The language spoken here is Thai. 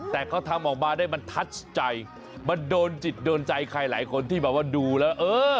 แต่เขาทำออกมาได้มันทัดใจมันโดนจิตโดนใจใครหลายคนที่แบบว่าดูแล้วเออ